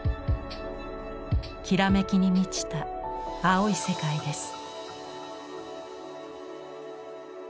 きらめきに満ちた青い世界です。